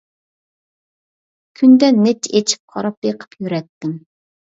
كۈندە نەچچە ئېچىپ قاراپ بېقىپ يۈرەتتىم.